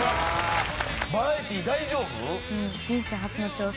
バラエティ大丈夫？